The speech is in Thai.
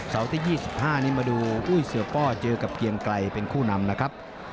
ที่๒๕นี้มาดูอุ้ยเสือป้อเจอกับเกียงไกลเป็นคู่นำนะครับ